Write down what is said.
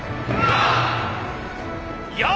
やあ！